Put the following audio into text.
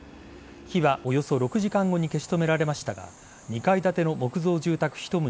火は、およそ６時間後に消し止められましたが２階建ての木造住宅１棟